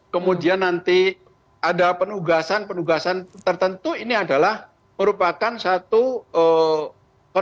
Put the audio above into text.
kemudian nanti ada penugasan penugasan tertentu ini adalah merupakan satu pertanyaan